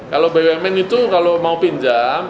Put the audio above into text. kalau bumn itu kalau mau pinjam